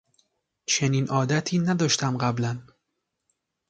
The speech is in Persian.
چنین عادتی نداشتم قبلا